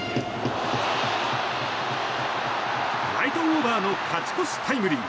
ライトオーバーの勝ち越しタイムリー。